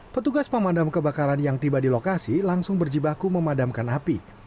petugas pemadam kebakaran yang tiba di lokasi langsung berjibaku memadamkan api